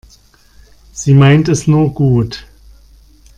Sie meint es nur gut.